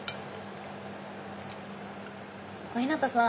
小日向さん。